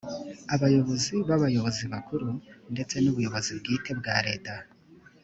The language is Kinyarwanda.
abayobozi bayobozi bakuru ndetse n’ubuyobozi bwite bwa leta